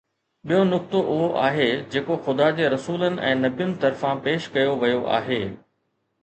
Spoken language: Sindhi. ٻيو نقطو اهو آهي جيڪو خدا جي رسولن ۽ نبين طرفان پيش ڪيو ويو آهي.